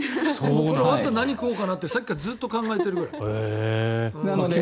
終わったら何食おうかなってさっきからずっと考えているぐらい。